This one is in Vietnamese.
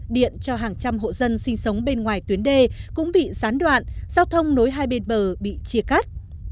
điện cho hàng trăm hộ dân sinh sống bên ngoài tuyến đê cũng bị gián đoạn giao thông nối hai bên bờ bị chia cắt